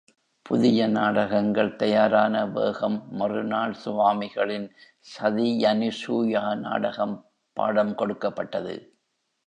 புதிய நாடகங்கள் தயாரான வேகம் மறுநாள் சுவாமிகளின் சதியனுசூயா நாடகம் பாடம் கொடுக்கப்பட்டது.